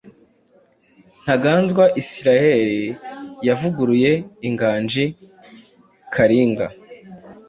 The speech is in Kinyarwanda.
Ntaganzwa Israël yavuguruye "Inganji Karinga"